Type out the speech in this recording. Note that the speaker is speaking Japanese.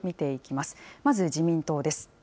まず自民党です。